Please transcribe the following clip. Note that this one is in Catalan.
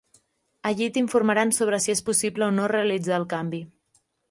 Allí t'informaran sobre si és possible o no realitzar el canvi.